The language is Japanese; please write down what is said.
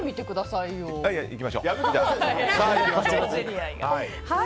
いや、いきましょう。